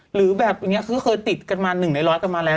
หรือแบบอย่างเงี้ยคือเคยติดกันมา๑ใน๑๐๐กันมาแล้ว